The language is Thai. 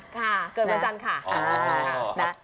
ค่ะเกิดวันจันทร์ค่ะ